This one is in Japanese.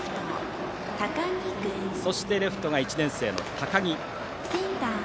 そしてレフトが１年生の高木。